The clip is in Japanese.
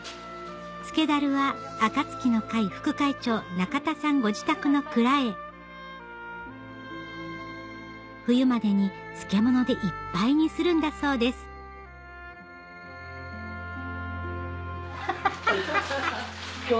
漬けダルはあかつきの会副会長中田さんご自宅の蔵へ冬までに漬物でいっぱいにするんだそうですハハハ！